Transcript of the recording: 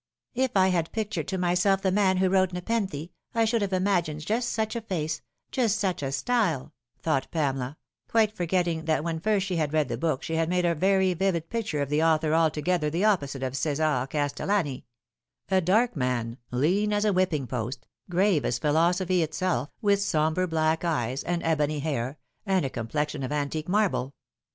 " If I had pictured to myself the man who wrote Nepenthe, I should have imagined just such a face, just such a style," thought Pamela, quite forgetting that when first she had read the book she had made a very vivid picture of the author altogether the opposite of C6sar Castellani a dark man, lean as a whipping post, grave as philosophy itself, with sombre black eyes, and ebon hair, and a complexion of antique marble.